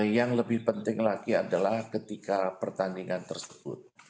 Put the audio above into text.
yang lebih penting lagi adalah ketika pertandingan tersebut